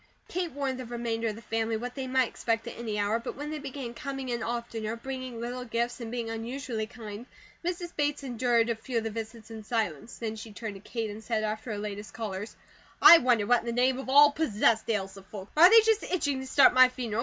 Kate warned the remainder of the family what they might expect at any hour; but when they began coming in oftener, bringing little gifts and being unusually kind, Mrs. Bates endured a few of the visits in silence, then she turned to Kate and said after her latest callers: "I wonder what in the name of all possessed ails the folks? Are they just itching to start my funeral?